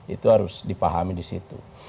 itu harus dipahami di situ